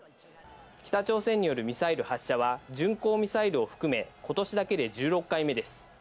北朝鮮によるミサイル発射は巡航ミサイルを含め、今年だけで１６回目です。